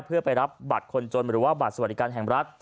เพื่อไปรับบัตรคนจนหรือว่าบัตรสวัสดิการแห่งรัฐ